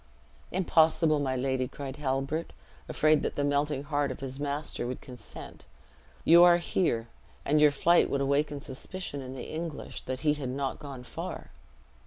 "Impossible, my lady," cried Halbert, afraid that the melting heart of his master would consent: "you are safe here; and your flight would awaken suspicion in the English, that he had not gone far.